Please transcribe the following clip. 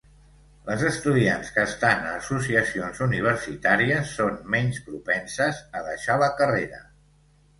Les estudiants que estan a associacions universitàries són menys propenses a deixar la carrera